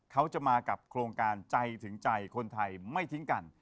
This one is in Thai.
เขาจะมากับโครงการใจถึงใจคนไทยไม่ทิ้งกัน